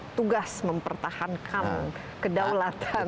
itu bagaimana selama ini dalam menjalankan